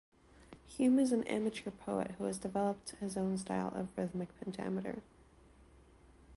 Hume is an amateur poet who has developed his own style of rhythmic pentameter.